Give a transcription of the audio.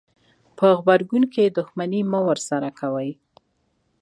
په غبرګون کې دښمني مه ورسره کوئ.